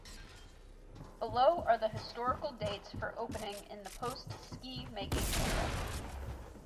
Below are the historical dates for opening in the post Ski Making Era.